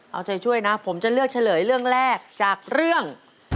เอาใจช่วยนะผมจะเลือกเฉลยเรื่องแรกจากเรื่อง